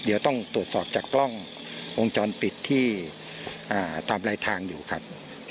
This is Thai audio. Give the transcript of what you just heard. เดี๋ยวต้องตรวจสอบจากกล้องวงจรปิดที่ตามรายทางอยู่ครับ